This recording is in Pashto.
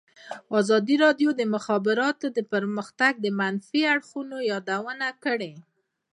ازادي راډیو د د مخابراتو پرمختګ د منفي اړخونو یادونه کړې.